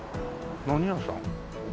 何屋さん？